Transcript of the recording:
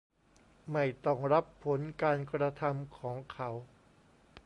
ไม่ต้องรับผลการกระทำของเขา